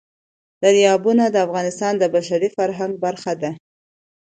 دریابونه د افغانستان د بشري فرهنګ برخه ده.